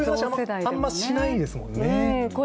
あまりしないですもんね、話。